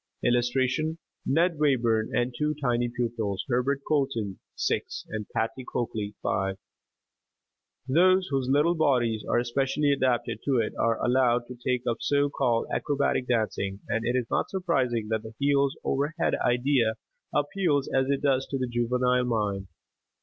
[Illustration: NED WAYBURN AND TWO TINY PUPILS: HERBERT COLTON, 6; PATTY COAKLEY, 5] Those whose little bodies are especially adapted to it are allowed to take up so called acrobatic dancing, and it is not surprising that the heels over head idea appeals as it does to the juvenile mind.